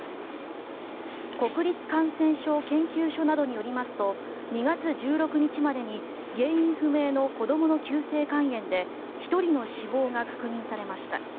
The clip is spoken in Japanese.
国立感染症研究所などによりますと２月１６日までに原因不明の子どもの急性肝炎で１人の死亡が確認されました。